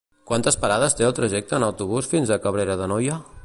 Quantes parades té el trajecte en autobús fins a Cabrera d'Anoia?